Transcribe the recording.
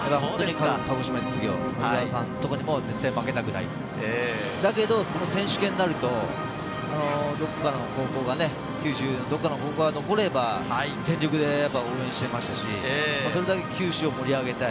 鹿児島実業にも絶対負けたくない、だけど選手権になると、九州のどこかの高校が残れば全力で応援していましたし、それだけ九州を盛り上げたい。